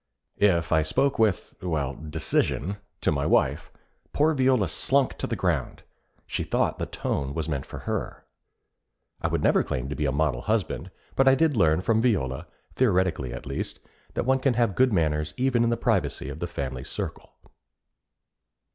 If I spoke with well, decision to my wife, poor Viola slunk to the ground. She thought the tone was meant for her. I would never claim to be a model husband, but I did learn from Viola, theoretically at least, that one can have good manners even in the privacy of the family circle.